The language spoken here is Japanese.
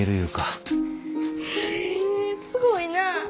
へえすごいなあ。